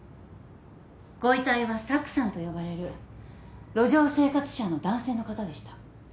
ご遺体はサクさんと呼ばれる路上生活者の男性の方でした。